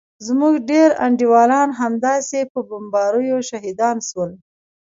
زموږ ډېر انډيوالان همداسې په بمباريو شهيدان سول.